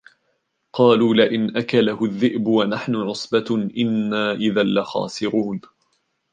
قالوا لئن أكله الذئب ونحن عصبة إنا إذا لخاسرون